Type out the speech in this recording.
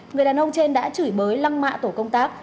người đàn ông trên đã chửi bới lăng mạ tổ công tác